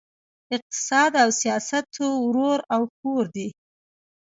اقتصاد او سیاست ورور او خور دي!